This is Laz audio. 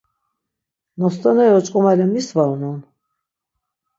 Nostoneri oç̌ǩomale mis var unon?